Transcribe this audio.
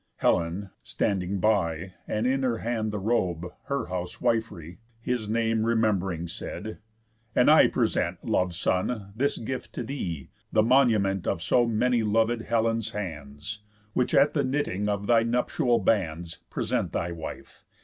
Helen (standing by, And in her hand the robe, her housewifery) His name rememb'ring, said: "And I present, Lov'd son, this gift to thee, the monument Of the so many lovéd Helen's hands, Which, at the knitting of thy nuptial bands, Present thy wife.